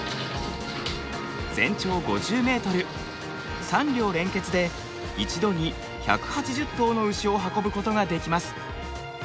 全長５０ｍ３両連結で一度に１８０頭の牛を運ぶことができます。